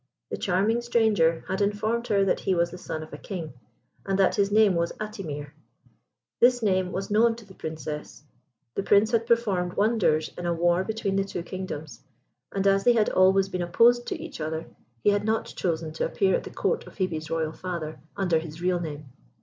The charming Stranger had informed her that he was the son of a King, and that his name was Atimir. This name was known to the Princess. The Prince had performed wonders in a war between the two kingdoms; and as they had always been opposed to each other, he had not chosen to appear at the Court of Hebe's royal father under his real name.